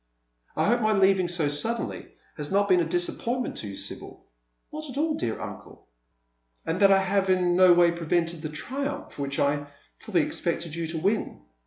" I hope my leaving so suddenly has not been a disappointment to you, Sibyl?" " Not at all, dear uncle." " And that I have in no way prevented the triumph which I fully expected you to win.